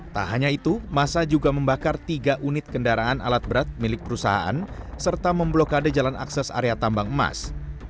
tak hanya itu masa juga membakar tiga unit kendaraan alat berat milik perusahaan serta memblokade jalan akses area tambang emas